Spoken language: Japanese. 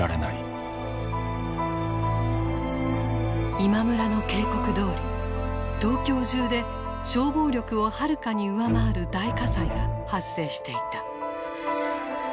今村の警告どおり東京中で消防力をはるかに上回る大火災が発生していた。